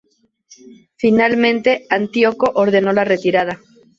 Finalmente, Antíoco ordenó la retirada.